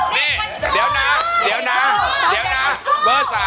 นี่เดี๋ยวนะเดี๋ยวนะเดี๋ยวนะ